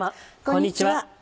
こんにちは。